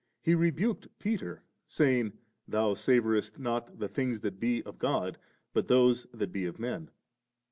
He rebuked » Peter, saying, * Thou savourest not the things that be of God, but those that be of men.'